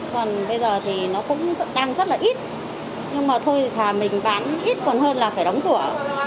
còn bây giờ thì nó cũng tăng rất là ít nhưng mà thôi thà mình bán ít còn hơn là phải đóng cửa